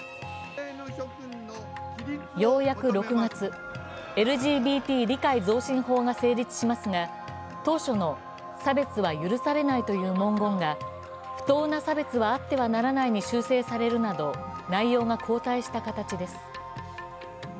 ようやく６月、ＬＧＢＴ理解増進法が成立しますが当初の、差別は許されないという文言が不当な差別はあってはならないに修正されるなど、内容が後退した形です。